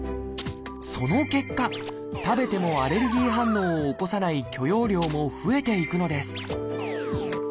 その結果食べてもアレルギー反応を起こさない許容量も増えていくのです